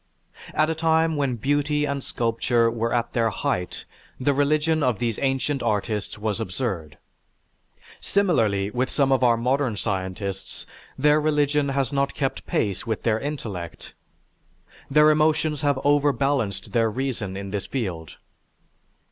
At a time when beauty and sculpture were at their height the religion of these ancient artists was absurd. Similarly, with some of our modern scientists, their religion has not kept pace with their intellect. Their emotions have overbalanced their reason in this field.